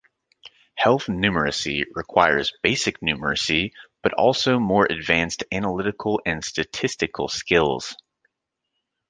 Health numeracy requires basic numeracy but also more advanced analytical and statistical skills.